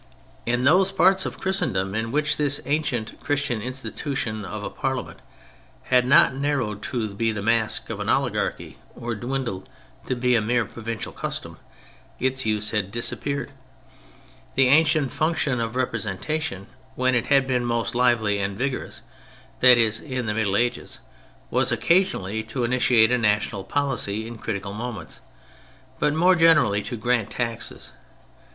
In those parts of Christendom in which this ancient Christian institution of a parliament had not narrowed to be the mask of an oli garchy or dwindled to be a mere provincial custom, its use had disappeared. The ancient function of Representation, when it had been most lively and vigorous, that is, in the Middle Ages, was occasionally to initiate a national policy in critical moments, but more generally to grant taxes.